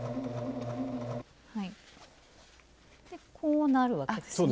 でこうなるわけですね。